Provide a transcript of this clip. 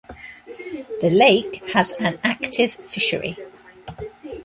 The lake has an active fishery.